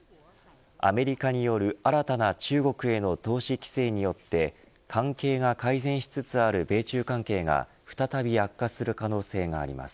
アメリカによる新たな中国への投資規制によって関係が改善しつつある米中関係が再び悪化する可能性があります。